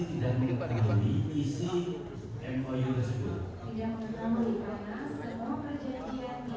tidak menulis bankis atau transfer ke perangkat dari peserta